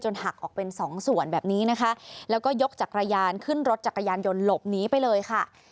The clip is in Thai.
หักออกเป็นสองส่วนแบบนี้นะคะแล้วก็ยกจักรยานขึ้นรถจักรยานยนต์หลบหนีไปเลยค่ะ